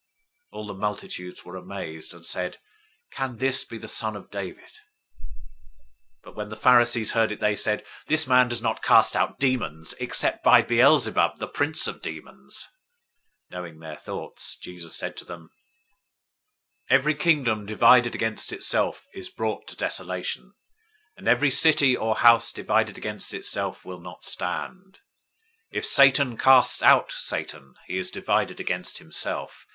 012:023 All the multitudes were amazed, and said, "Can this be the son of David?" 012:024 But when the Pharisees heard it, they said, "This man does not cast out demons, except by Beelzebul, the prince of the demons." 012:025 Knowing their thoughts, Jesus said to them, "Every kingdom divided against itself is brought to desolation, and every city or house divided against itself will not stand. 012:026 If Satan casts out Satan, he is divided against himself.